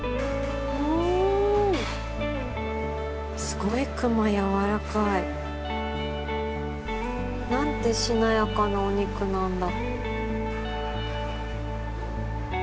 すごい熊やわらかい。なんてしなやかなお肉なんだ。